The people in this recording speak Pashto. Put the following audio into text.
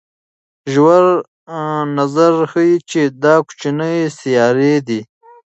ژور نظر ښيي چې دا کوچنۍ سیارې دي.